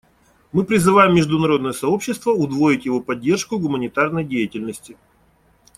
Мы призываем международное сообщество удвоить его поддержку гуманитарной деятельности.